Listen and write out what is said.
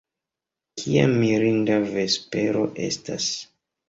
Kia mirinda vespero estas.